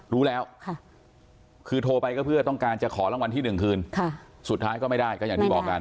รู้แล้วคือโทรไปก็เพื่อต้องการจะขอรางวัลที่๑คืนสุดท้ายก็ไม่ได้ก็อย่างที่บอกกัน